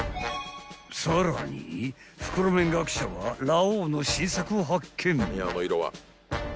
［さらに袋麺学者はラ王の新作を発見］